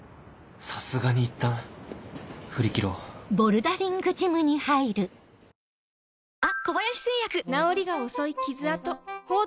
さすがにいったん振り切ろうあ！